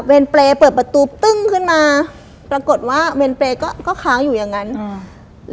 เปรย์เปิดประตูตึ้งขึ้นมาปรากฏว่าเวรเปรย์ก็ก็ค้างอยู่อย่างงั้นอืม